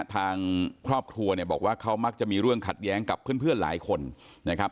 ทางครอบครัวเนี่ยบอกว่าเขามักจะมีเรื่องขัดแย้งกับเพื่อนหลายคนนะครับ